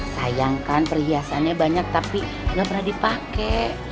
sayangkan perhiasannya banyak tapi gak pernah dipake